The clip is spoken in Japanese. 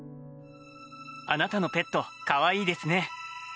あなたのペット可愛いですね。